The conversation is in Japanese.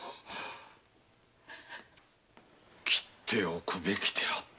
斬っておくべきであった